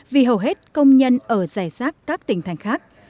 vì hầu hết công nhân ở giải sát các tỉnh thành khác